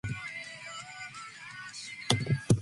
Two versions of the opening credits were created.